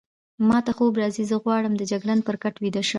ما ته خوب راځي، زه غواړم د جګړن پر کټ ویده شم.